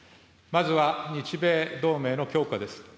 まずは日米同盟の強化です。